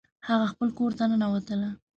هغه خپل کور ته ننوتله